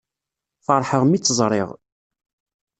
Ferḥeɣ mi tt-ẓriɣ.